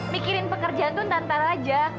mikirin pekerjaan tuh ntar ntar aja